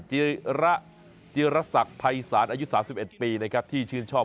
จิระจิระสักไพศาสตร์อายุสามสิบเอ็ดปีนะครับที่ชื่นชอบ